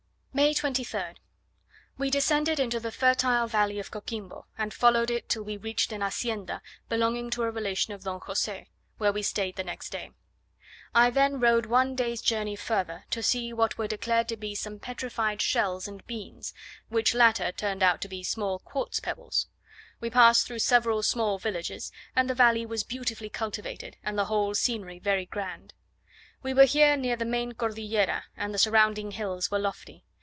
May 23rd. We descended into the fertile valley of Coquimbo, and followed it till we reached an Hacienda belonging to a relation of Don Jose, where we stayed the next day. I then rode one day's journey further, to see what were declared to be some petrified shells and beans, which latter turned out to be small quartz pebbles. We passed through several small villages; and the valley was beautifully cultivated, and the whole scenery very grand. We were here near the main Cordillera, and the surrounding hills were lofty.